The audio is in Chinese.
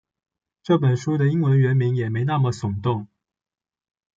这本书的英文原名也没那么耸动